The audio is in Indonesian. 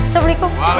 kamar kamar mandi